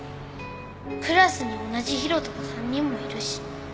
クラスに同じ「ヒロト」が３人もいるし。